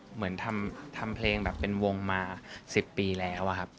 เหมือนทำเพลงแบบเป็นวงมา๑๐ปีแล้วอะครับ